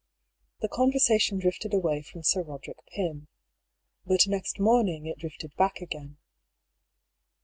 The conversation drifted away from Sir Roderick Pym. But next morning it drifted back again.